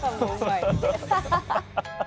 ハハハッ！